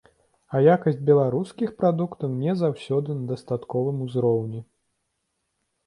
А якасць беларускіх прадуктаў не заўсёды на дастатковым узроўні.